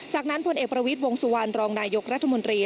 จากนั้นพลเอกประวิทย์วงสุวรรณรองนายกรัฐมนตรี